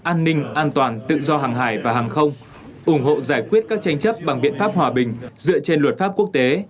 an ninh an toàn tự do hàng hải và hàng không ủng hộ giải quyết các tranh chấp bằng biện pháp hòa bình dựa trên luật pháp quốc tế